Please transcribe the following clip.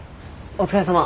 お疲れさま。